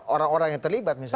orang orang yang terlibat misalnya